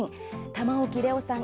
玉置玲央さん